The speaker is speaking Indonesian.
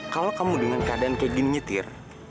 kalau kamu dengan keadaan kayak gini nyetir